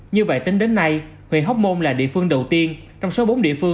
như vậy tính đến nay huyện hóc môn là địa phương đầu tiên trong số bốn địa phương